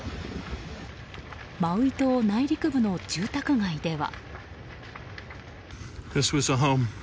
マウイ島内陸部の住宅街では。